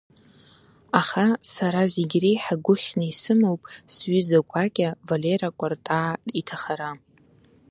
Аха сара зегь реиҳа гәыхьны исымоуп сҩыза гәакьа Валера Кәартаа иҭахара.